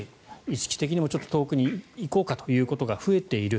意識的にも遠くに行こうかということが増えている。